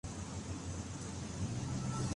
Gustavo Adolfo y su familia salieron del país.